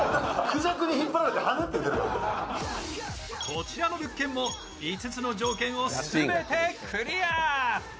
こちらの物件も５つの条件を全てクリア。